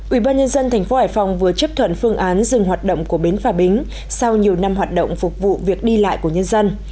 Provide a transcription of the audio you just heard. ủy ban nhân dân tp hải phòng vừa chấp thuận phương án dừng hoạt động của bến phà bính sau nhiều năm hoạt động phục vụ việc đi lại của nhân dân